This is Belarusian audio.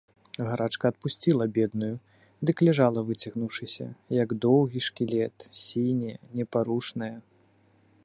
Гарачка адпусціла бедную, дык ляжала выцягнуўшыся, як доўгі шкілет, сіняя, непарушная.